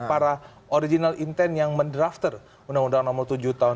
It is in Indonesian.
para original intent yang mendrafter undang undang nomor tujuh tahun dua ribu lima belas